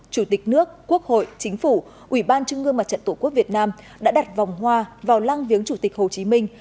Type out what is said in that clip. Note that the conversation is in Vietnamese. chủ tịch nước quốc hội chính phủ ủy ban chứng ngương mặt trận tổ quốc việt nam đã đặt vòng hoa vào lang viếng chủ tịch hồ chí minh